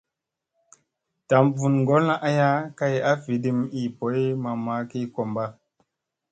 Dam vun ŋgolla aya kay a viɗim ii boy mamma ki komɓa.